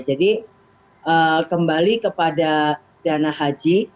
jadi kembali kepada dana haji